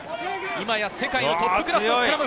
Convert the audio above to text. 今や世界のトップクラスのスクラム。